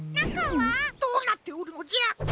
どうなっておるのじゃ？